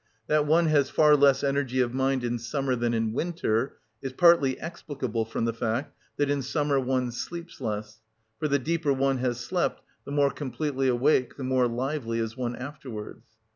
That one has far less energy of mind in summer than in winter is partly explicable from the fact that in summer one sleeps less; for the deeper one has slept, the more completely awake, the more lively, is one afterwards.